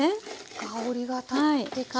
香りが立ってきました。